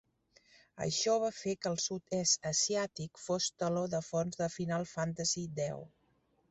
Això va fer que el Sud-est asiàtic fos el teló de fons de "Final Fantasy X".